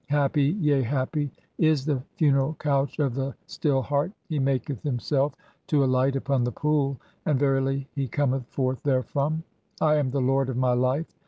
Happy, yea happy, "is the funeral couch of the (16) Still heart ; he maketh him "self to alight upon the pool(?), and verily he cometh forth "[therefrom]. I am the lord of my life.